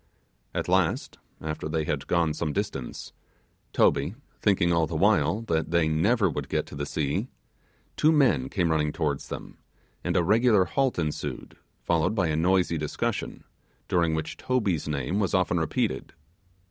At last, after they had gone some distance, Toby, thinking all the while that they never would get to the sea, two men came running towards them, and a regular halt ensued, followed by a noisy discussion, during which Toby's name was often repeated.